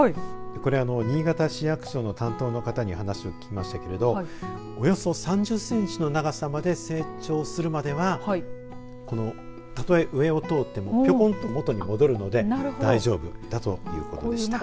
これ新潟市役所の担当の方に話を聞きましたけれどおよそ３０センチの長さまで成長するまではたとえ上を通ってもぴょこんと元に戻るので大丈夫だということでした。